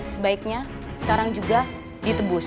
sebaiknya sekarang juga ditebus